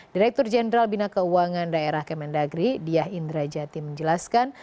direktur jenderal bina keuangan daerah kementerian dalam negeri diah indrajati menjelaskan